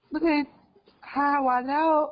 ประมาณ๕วันแล้ว